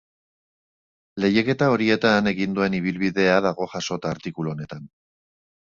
Lehiaketa horietan egin duen ibilbidea dago jasota artikulu honetan.